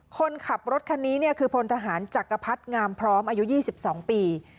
คนขับรถคันนี้เนี่ยคือพลทหารจักรพัดงามพร้อมอายุยี่สิบสองปี